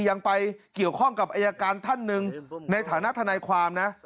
ยังไปเกี่ยวข้องกับอายการท่านหนึ่งในฐานะทนายความนะ